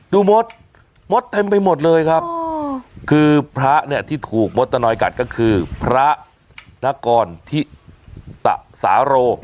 มดมดเต็มไปหมดเลยครับคือพระเนี่ยที่ถูกมดตะนอยกัดก็คือพระนกรธิตะสาโร